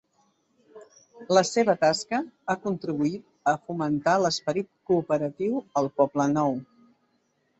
La seva tasca ha contribuït a fomentar l'esperit cooperatiu al Poblenou.